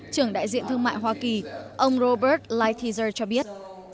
trưởng đại diện thương mại hoa kỳ ông robert lighthizer cho biết